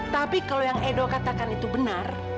tapi kalau yang edo katakan itu benar